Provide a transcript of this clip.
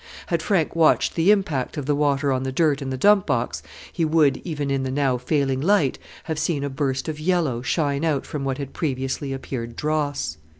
Had Frank watched the impact of the water on the dirt in the dump box he would, even in the now failing light, have seen a burst of yellow shine out from what had previously appeared dross.